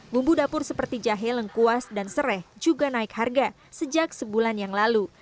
bumbu dapur seperti jahe lengkuas dan serai juga naik harga sejak sebulan yang lalu